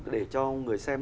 để cho người xem